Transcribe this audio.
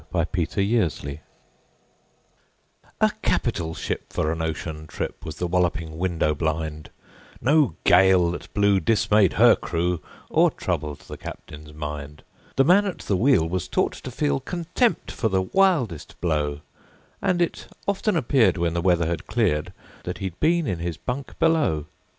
Y Z A Nautical Ballad A CAPITAL ship for an ocean trip Was The Walloping Window blind No gale that blew dismayed her crew Or troubled the captain's mind. The man at the wheel was taught to feel Contempt for the wildest blow, And it often appeared, when the weather had cleared, That he'd been in his bunk below.